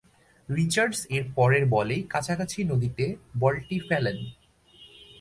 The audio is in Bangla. রিচার্ডস এর পরের বলেই কাছাকাছি নদীতে বলটি ফেলেন।